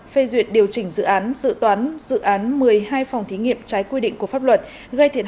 phê duyệt điều chỉnh dự án dự toán dự án một mươi hai phòng thí nghiệm trái quy định của pháp luật gây thiệt